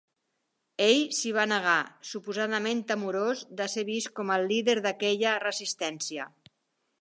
Ell s'hi va negar, suposadament temorós de ser vist com el líder d'aquella resistència.